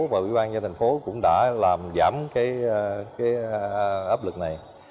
và ủy ban nhân thành phố cũng đã làm giảm cái áp lực này